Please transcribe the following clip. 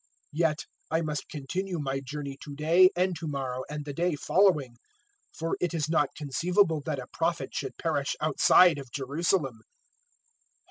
013:033 "Yet I must continue my journey to day and to morrow and the day following; for it is not conceivable that a Prophet should perish outside of Jerusalem.